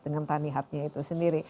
dengan tanihubnya itu sendiri